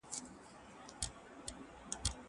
زه اوس کالي وچوم!